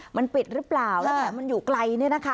มันปิดหรือเปล่าและมันอยู่ไกล